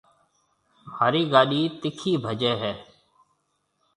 مهارِي گاڏِي تکِي ڀجي هيَ۔